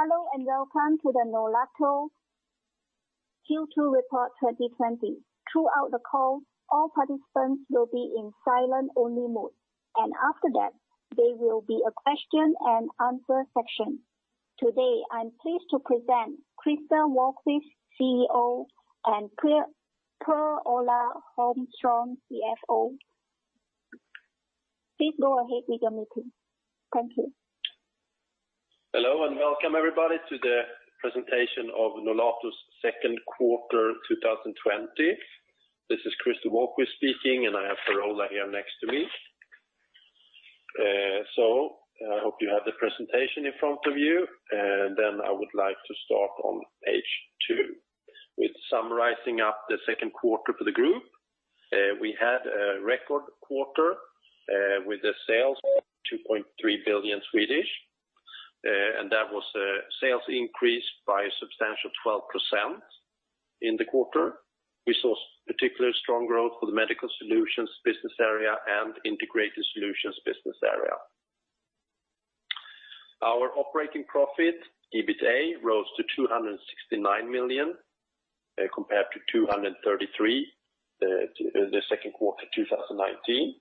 Hello, welcome to the Nolato Q2 Report 2020. Throughout the call, all participants will be in silent-only mode, and after that, there will be a question and answer section. Today, I'm pleased to present Christer Wahlquist, CEO, and Per-Ola Holmström, CFO. Please go ahead with your meeting. Thank you. Hello and welcome everybody to the presentation of Nolato's second quarter 2020. This is Christer Wahlquist speaking, and I have Per-Ola here next to me. I hope you have the presentation in front of you, and then I would like to start on page two with summarizing up the second quarter for the group. We had a record quarter with the sales of 2.3 billion, and that was a sales increase by a substantial 12% in the quarter. We saw particular strong growth for the Medical Solutions business area and Integrated Solutions business area. Our operating profit, EBITA, rose to 269 million compared to 233 the second quarter 2019.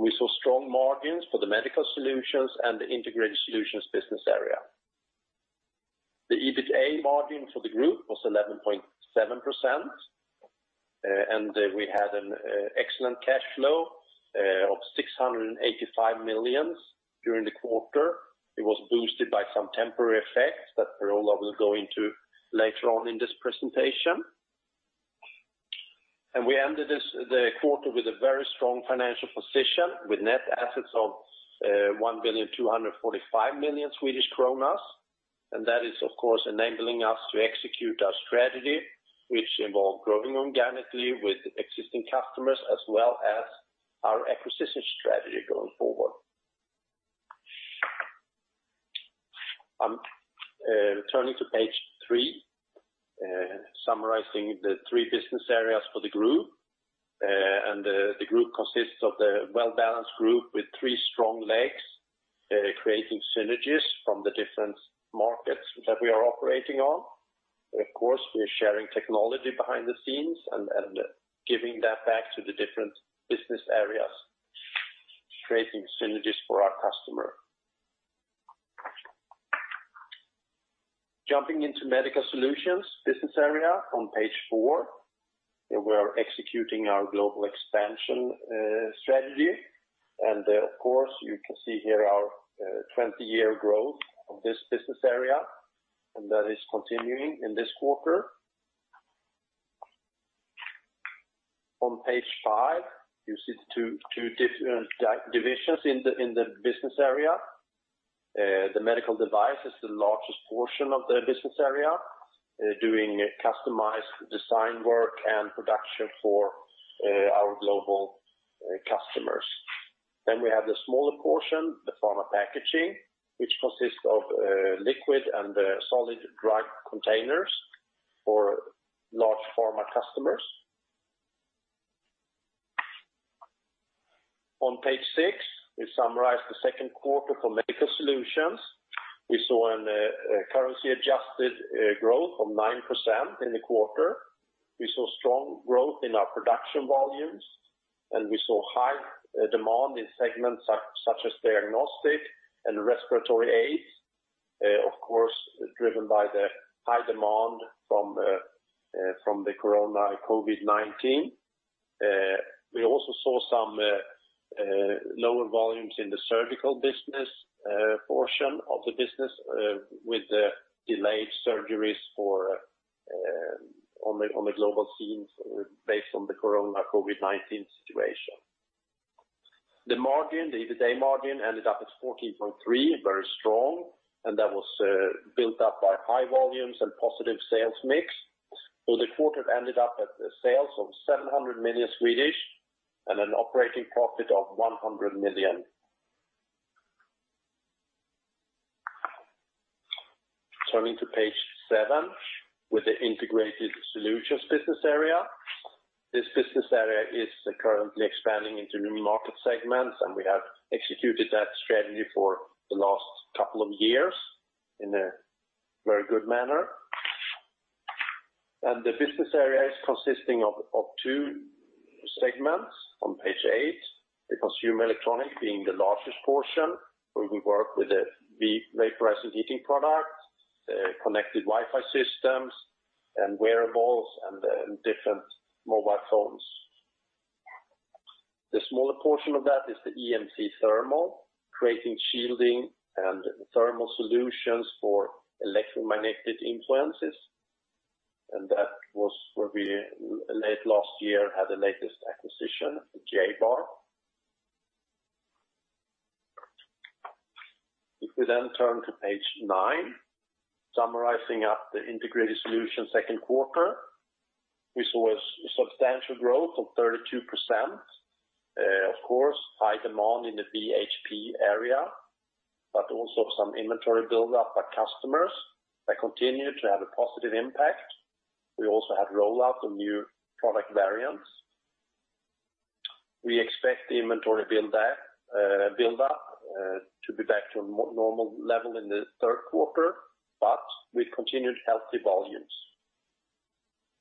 We saw strong margins for the Medical Solutions and the Integrated Solutions business area. The EBITA margin for the group was 11.7%, and we had an excellent cash flow of 685 million during the quarter. It was boosted by some temporary effects that Per-Ola will go into later on in this presentation. We ended the quarter with a very strong financial position with net assets of 1 billion 245 million. That is, of course, enabling us to execute our strategy, which involve growing organically with existing customers as well as our acquisition strategy going forward. I'm turning to page three, summarizing the three business areas for the group, and the group consists of the well-balanced group with three strong legs, creating synergies from the different markets that we are operating on. Of course, we are sharing technology behind the scenes and giving that back to the different business areas, creating synergies for our customer. Jumping into Medical Solutions business area on page four, we are executing our global expansion strategy. Of course, you can see here our 20-year growth of this business area, and that is continuing in this quarter. On page five, you see two different divisions in the business area. The medical device is the largest portion of the business area, doing customized design work and production for our global customers. We have the smaller portion, the pharma packaging, which consists of liquid and solid drug containers for large pharma customers. On page six, we summarize the second quarter for Medical Solutions. We saw a currency-adjusted growth of 9% in the quarter. We saw strong growth in our production volumes, and we saw high demand in segments such as diagnostic and respiratory aids, of course, driven by the high demand from the COVID-19. We also saw some lower volumes in the surgical portion of the business with the delayed surgeries on the global scene based on the corona COVID-19 situation. The EBITA margin ended up at 14.3%, very strong, and that was built up by high volumes and positive sales mix. For the quarter, it ended up at the sales of 700 million and an operating profit of 100 million. Turning to page seven with the Integrated Solutions business area. This business area is currently expanding into new market segments, and we have executed that strategy for the last couple of years in a very good manner. The business area is consisting of two segments on page eight. The consumer electronic being the largest portion, where we work with the Vaporiser Heating Products, connected Wi-Fi systems, and wearables and different mobile phones. The smaller portion of that is the EMC thermal, creating shielding and thermal solutions for electromagnetic influences. That was where we late last year had the latest acquisition, the Ja-Bar. If we then turn to page nine, summarizing up the Integrated Solutions second quarter, we saw a substantial growth of 32%. Of course, high demand in the VHP area, but also some inventory buildup by customers that continued to have a positive impact. We also had rollout of new product variants. We expect the inventory buildup to be back to a normal level in the third quarter, but with continued healthy volumes.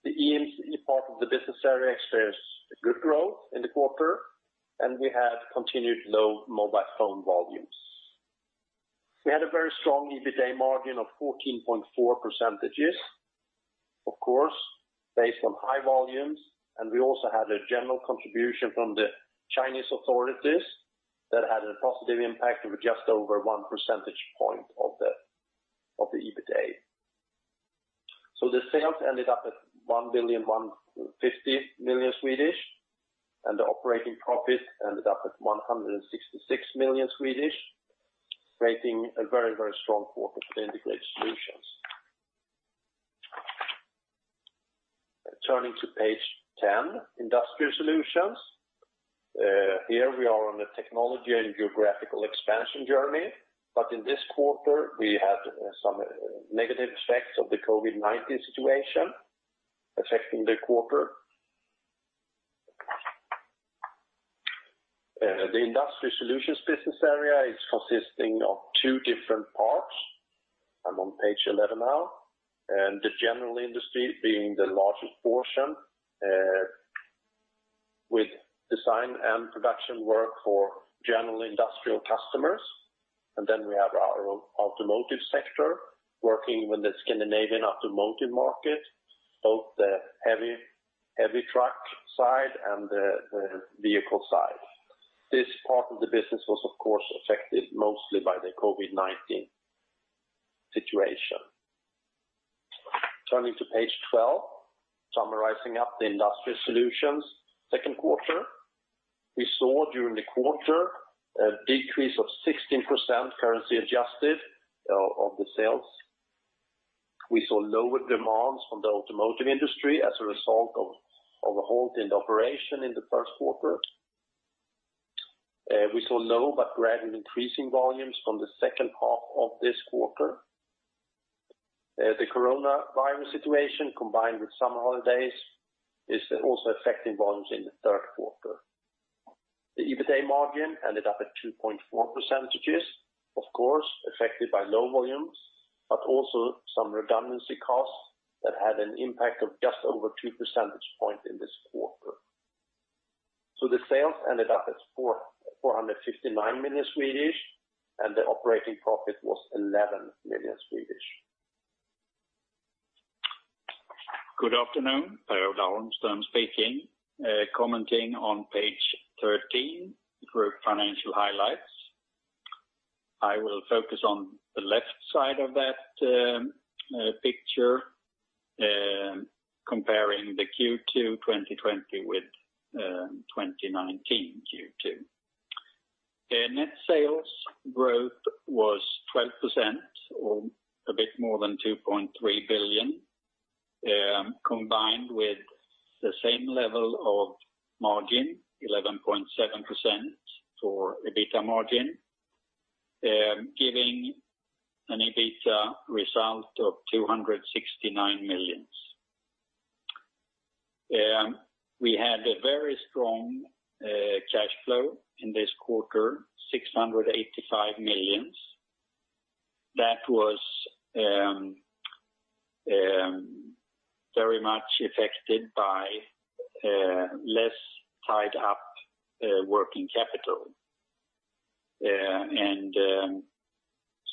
The EMC part of the business area experienced good growth in the quarter, and we had continued low mobile phone volumes. We had a very strong EBITA margin of 14.4%, of course, based on high volumes, and we also had a general contribution from the Chinese authorities that had a positive impact of just over one percentage point of the EBITA. The sales ended up at 1,150,000,000, and the operating profit ended up at 166,000,000, making a very strong quarter for Integrated Solutions. Turning to page 10, Industrial Solutions. Here we are on a technology and geographical expansion journey, but in this quarter we had some negative effects of the COVID-19 situation affecting the quarter. The Industrial Solutions business area is consisting of two different parts. I'm on page 11 now. The general industry being the largest portion, with design and production work for general industrial customers. We have our automotive sector, working with the Scandinavian automotive market, both the heavy truck side and the vehicle side. This part of the business was, of course, affected mostly by the COVID-19 situation. Turning to page 12, summarizing up the Industrial Solutions second quarter. We saw during the quarter a decrease of 16%, currency adjusted, of the sales. We saw lower demands from the automotive industry as a result of a halt in operation in the first quarter. We saw low but gradually increasing volumes from the second half of this quarter. The coronavirus situation, combined with summer holidays, is also affecting volumes in the third quarter. The EBITA margin ended up at 2.4%, of course, affected by low volumes, but also some redundancy costs that had an impact of just over two percentage points in this quarter. The sales ended up at 459 million, and the operating profit was 11 million. Good afternoon, Peo-Ola Holmström speaking. Commenting on page 13, group financial highlights. I will focus on the left side of that picture, comparing the Q2 2020 with 2019 Q2. Net sales growth was 12%, or a bit more than 2.3 billion, combined with the same level of margin, 11.7% for EBITA margin, giving an EBITA result of 269 million. We had a very strong cash flow in this quarter, 685 million. That was very much affected by less tied-up working capital.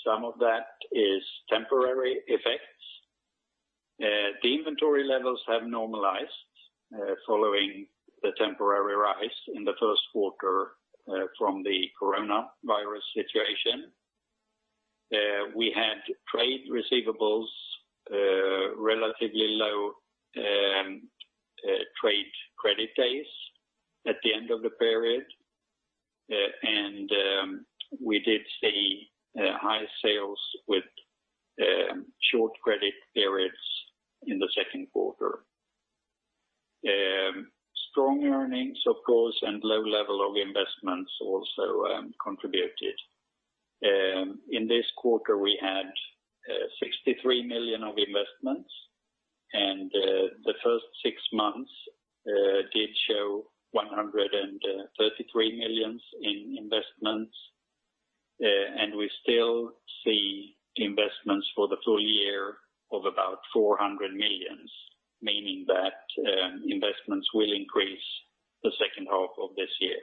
Some of that is temporary effects. The inventory levels have normalized following the temporary rise in the first quarter from the coronavirus situation. We had trade receivables, relatively low trade credit days at the end of the period, and we did see higher sales with short credit periods in the second quarter. Strong earnings, of course, and low level of investments also contributed. In this quarter, we had 63 million of investments. The first six months did show 133 millions in investments. We still see investments for the full year of about 400 millions, meaning that investments will increase the second half of this year.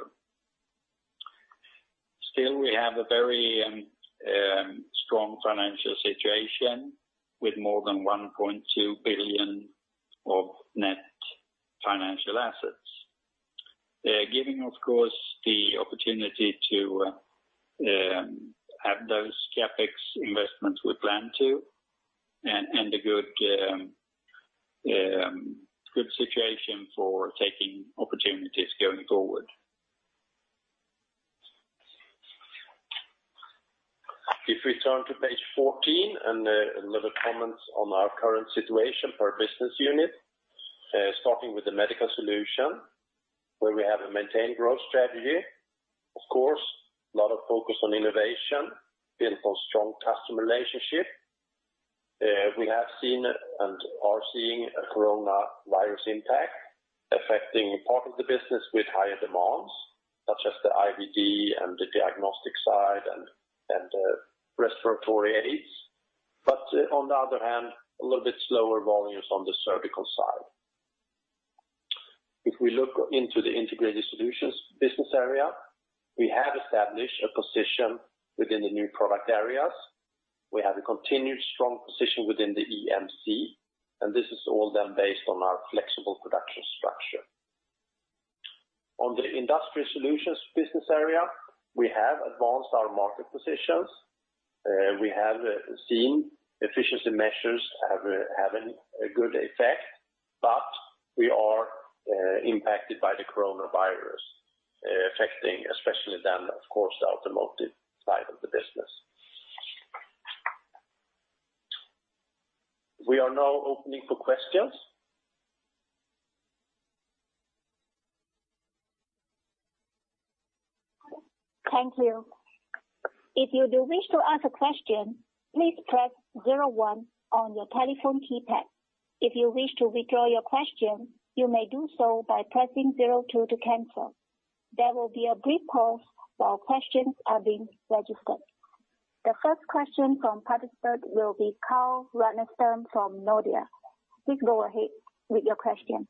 Still, we have a very strong financial situation with more than 1.2 billion of net financial assets. Giving, of course, the opportunity to have those CapEx investments we plan to, and a good situation for taking opportunities going forward. If we turn to page 14, and a little comment on our current situation per business unit. Starting with the Medical Solutions, where we have a maintain growth strategy. Of course, lot of focus on innovation, building strong customer relationship. We have seen and are seeing a COVID-19 impact affecting part of the business with higher demands, such as the IVD and the diagnostic side, and the respiratory aids. On the other hand, a little bit slower volumes on the surgical side. If we look into the Integrated Solutions business area, we have established a position within the new product areas. We have a continued strong position within the EMC, and this is all then based on our flexible production structure. On the Industrial Solutions business area, we have advanced our market positions. We have seen efficiency measures having a good effect, but we are impacted by the COVID-19, affecting especially then, of course, the automotive side of the business. We are now opening for questions. Thank you. If you do wish to ask a question, please press 01 on your telephone keypad. If you wish to withdraw your question, you may do so by pressing 02 to cancel. There will be a brief pause while questions are being registered. The first question from participant will be Carl Ragnerstam from Nordea. Please go ahead with your question.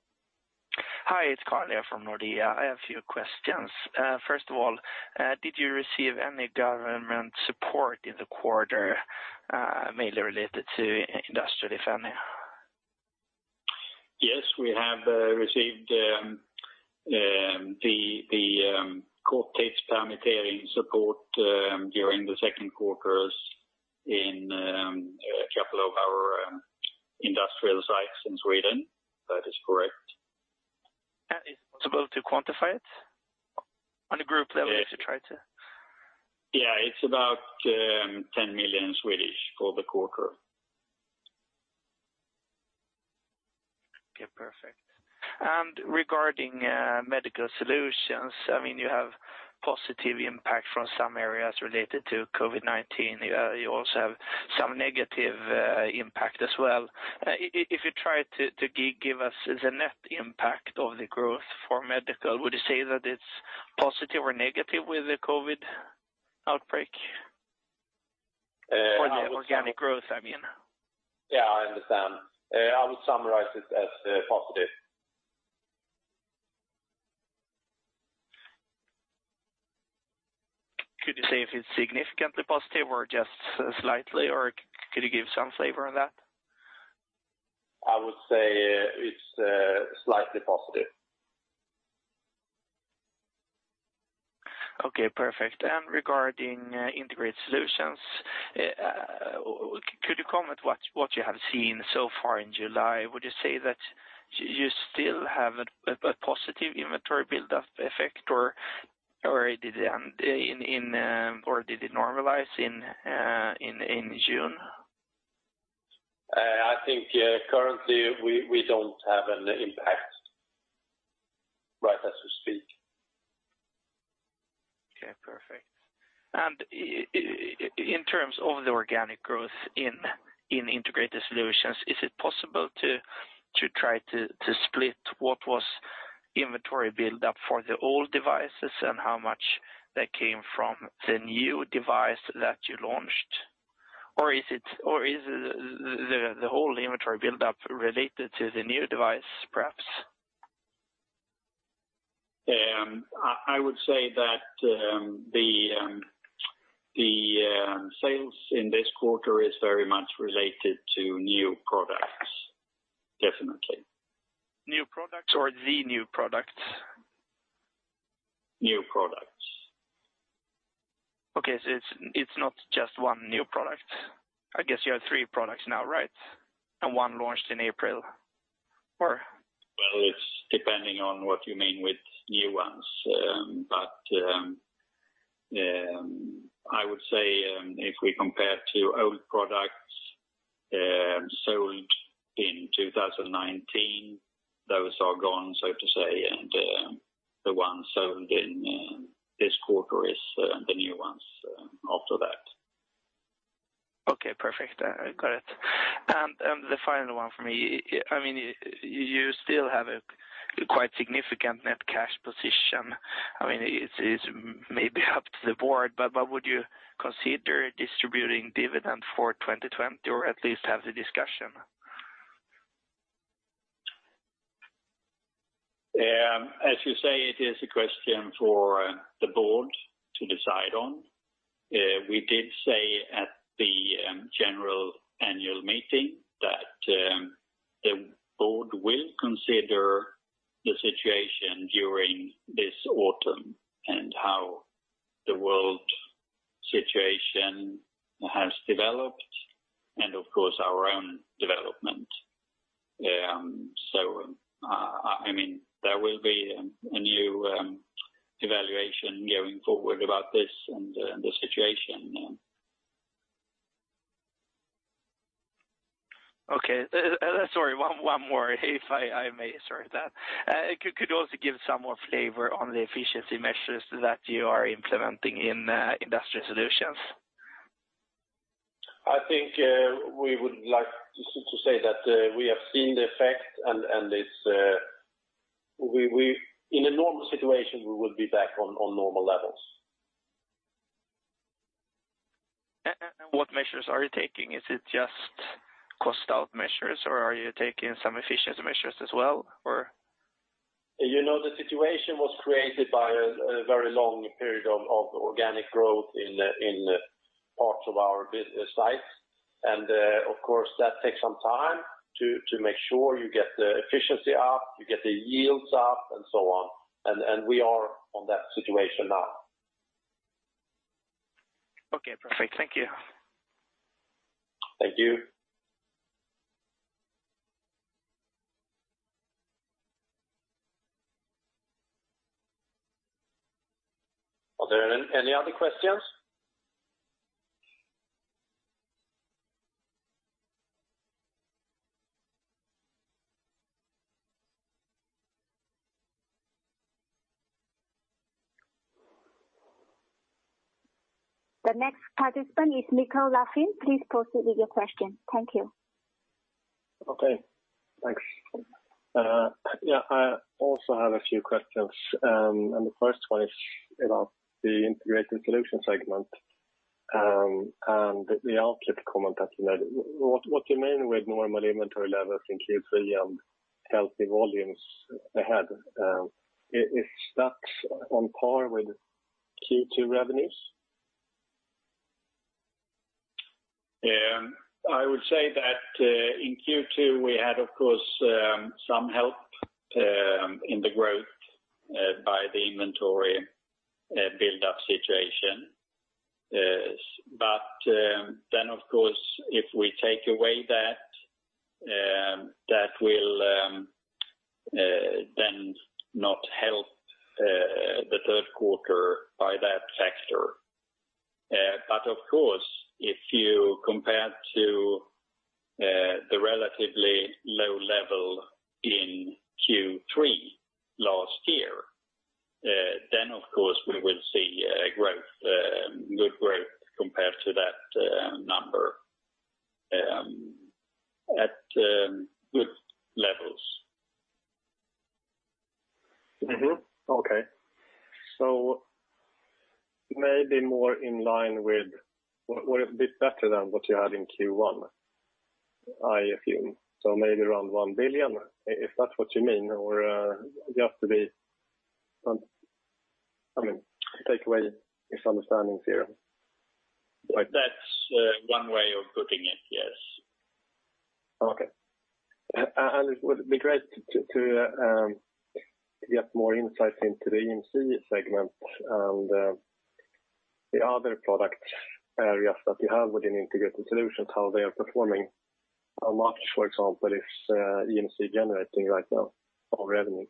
Hi, it's Carl from Nordea. I have a few questions. First of all, did you receive any government support in the quarter, mainly related to Industrial Solutions? Yes, we have received the short-time permitting support during the second quarters in a couple of our industrial sites in Sweden. That is correct. Is it possible to quantify it on a group level? Yes. It's about 10 million for the quarter. Okay, perfect. Regarding Medical Solutions, you have positive impact from some areas related to COVID-19. You also have some negative impact as well. If you try to give us the net impact of the growth for Medical, would you say that it's positive or negative with the COVID outbreak? For the organic growth, I mean. Yes, I understand. I would summarize it as positive. Could you say if it's significantly positive or just slightly, or could you give some flavor on that? I would say it's slightly positive. Okay, perfect. Regarding Integrated Solutions, could you comment what you have seen so far in July? Would you say that you still have a positive inventory buildup effect or did it normalize in June? I think currently we don't have an impact right as we speak. Okay, perfect. In terms of the organic growth in Integrated Solutions, is it possible to try to split what was inventory buildup for the old devices and how much that came from the new device that you launched? Or is the whole inventory buildup related to the new device, perhaps? I would say that the sales in this quarter is very much related to new products, definitely. New products or the new product? New products. Okay, it's not just one new product. I guess you have three products now, right? One launched in April, or? It's depending on what you mean with new ones. I would say if we compare to old products sold in 2019, those are gone, so to say, and the ones sold in this quarter is the new ones after that. Okay, perfect. I got it. The final one for me, you still have a quite significant net cash position. It is maybe up to the board, would you consider distributing dividend for 2020, or at least have the discussion? As you say, it is a question for the board to decide on. We did say at the general annual meeting that the board will consider the situation during this autumn and how the world situation has developed and, of course, our own development. There will be a new evaluation going forward about this and the situation. Okay. Sorry, one more if I may, sorry. Could you also give some more flavor on the efficiency measures that you are implementing in Industrial Solutions? I think we would like to say that we have seen the effect. In a normal situation, we will be back on normal levels. What measures are you taking? Is it just cost out measures, or are you taking some efficiency measures as well? The situation was created by a very long period of organic growth in parts of our business sites. Of course, that takes some time to make sure you get the efficiency up, you get the yields up, and so on. We are on that situation now. Okay, perfect. Thank you. Thank you. Are there any other questions? The next participant is Michael LaFond. Please proceed with your question. Thank you. Okay, thanks. I also have a few questions. The first one is about the Integrated Solutions segment and the outlook comment that you made. What do you mean with normal inventory levels in Q3 and healthy volumes ahead? Is that on par with Q2 revenues? I would say that in Q2 we had, of course, some help in the growth by the inventory build-up situation. Of course, if we take away that will then not help the third quarter by that factor. Of course, if you compare to the relatively low level in Q3 last year, then of course, we will see a good growth compared to that number at good levels. Okay. Maybe more in line with a bit better than what you had in Q1, I assume. Maybe around 1 billion, if that's what you mean, or just to be I mean, take away misunderstanding here. That's one way of putting it, yes. Okay. It would be great to get more insights into the EMC segment and the other product areas that you have within Integrated Solutions, how they are performing. How much, for example, is EMC generating right now of revenue?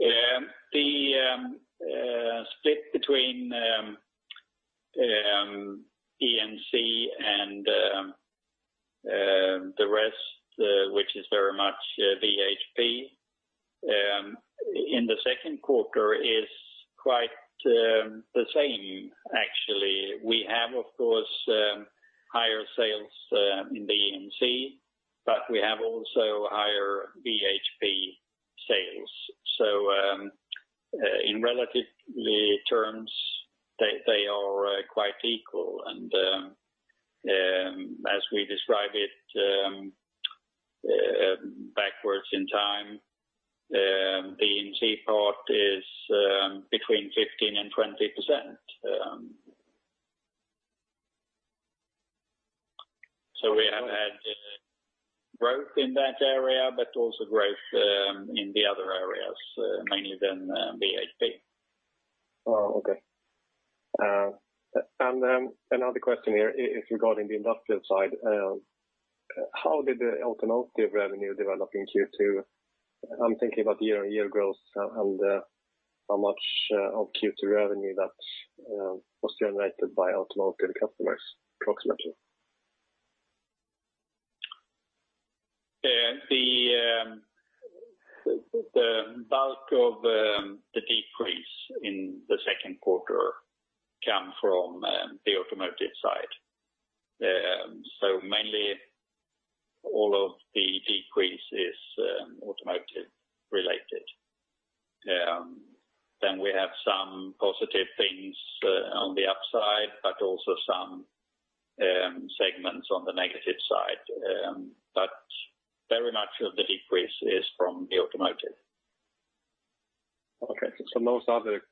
The split between EMC and the rest, which is very much VHP, in the second quarter is quite the same, actually. We have, of course, higher sales in the EMC, but we have also higher VHP sales. In relative terms, they are quite equal. As we describe it backwards in time, the EMC part is between 15% and 20%. We have had growth in that area, but also growth in the other areas, mainly then VHP. Okay. Another question here is regarding the industrial side. How did the automotive revenue develop in Q2? I'm thinking about year-on-year growth and how much of Q2 revenue that was generated by automotive customers, approximately. The bulk of the decrease in the second quarter came from the automotive side. Mainly all of the decrease is automotive related. We have some positive things on the upside, but also some segments on the negative side. Very much of the decrease is from the automotive. Okay. Most other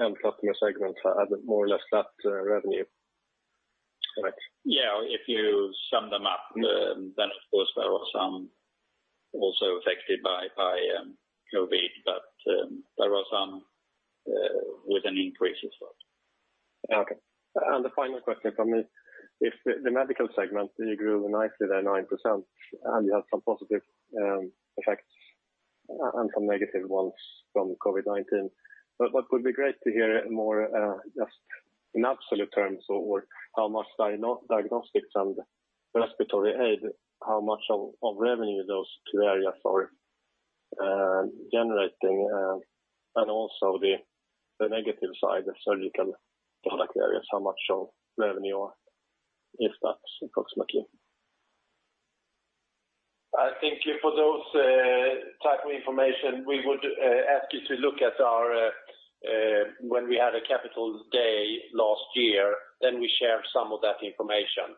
end customer segments had more or less that revenue, correct? Yeah, if you sum them up, then of course there were some also affected by COVID, but there were some with an increase as well. Okay. The final question from me, if the Medical Solutions segment grew nicely there, 9%, and you had some positive effects and some negative ones from COVID-19. What would be great to hear more just in absolute terms, or how much diagnostics and respiratory aid, how much of revenue those two areas are generating and also the negative side, the surgical product areas, how much of revenue is that approximately? I think for those type of information, we would ask you to look at when we had a Capital Markets Day last year, we shared some of that information.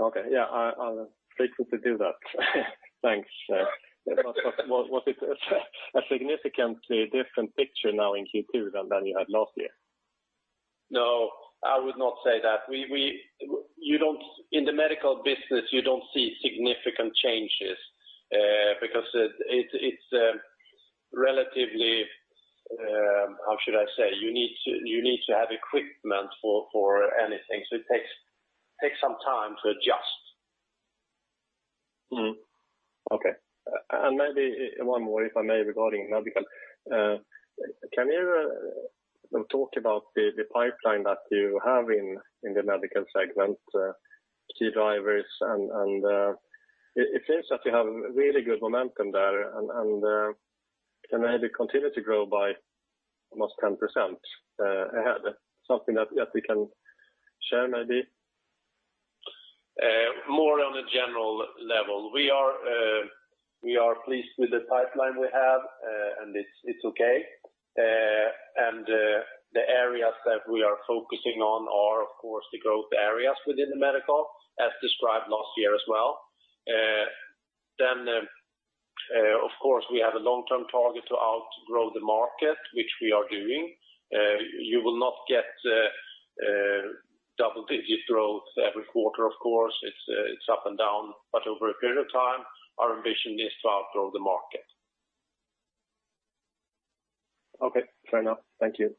Okay. Yeah, I'll look to do that. Thanks. Was it a significantly different picture now in Q2 than you had last year? No, I would not say that. In the medical business, you don't see significant changes, because it's relatively, how should I say? You need to have equipment for anything, so it takes some time to adjust. Okay. Maybe one more, if I may, regarding Medical Solutions. Can you talk about the pipeline that you have in the Medical Solutions segment, key drivers, and it seems that you have really good momentum there and can maybe continue to grow by almost 10% ahead? Something that you can share, maybe? More on a general level. We are pleased with the pipeline we have. It's okay. The areas that we are focusing on are, of course, the growth areas within the medical as described last year as well. Of course, we have a long-term target to outgrow the market, which we are doing. You will not get double-digit growth every quarter, of course. It's up and down. Over a period of time, our ambition is to outgrow the market. Okay, fair enough. Thank you.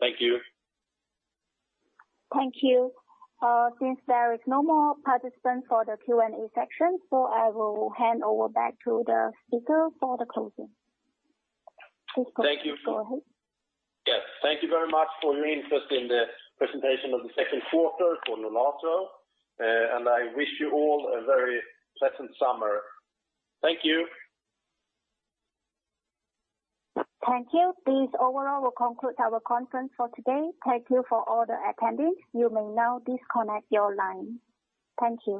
Thank you. Thank you. Since there is no more participants for the Q&A section, I will hand over back to the speaker for the closing. Please go ahead. Yes. Thank you very much for your interest in the presentation of the second quarter for Nolato. I wish you all a very pleasant summer. Thank you. Thank you. This overall will conclude our conference for today. Thank you for all the attendees. You may now disconnect your line. Thank you.